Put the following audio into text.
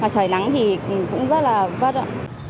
trời nắng thì cũng rất là vất ạ